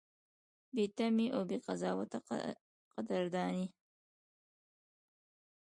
بې تمې او بې قضاوته قدرداني: